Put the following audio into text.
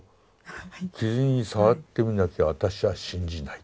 傷に触ってみなきゃ私は信じない。